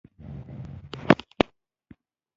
مړه ته د شپه سترګو اوښکې صدقه کړه